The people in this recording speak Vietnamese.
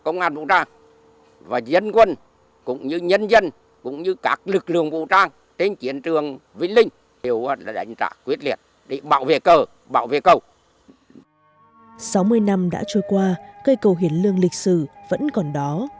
sáu mươi năm đã trôi qua cây cầu hiền lương lịch sử vẫn còn đó